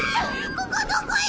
ここどこよ